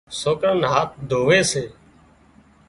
سوڪران نا هاٿ ڌووي سي